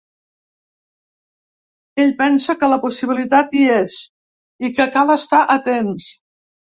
Ell pensa que la possibilitat, hi és, i que cal estar atents.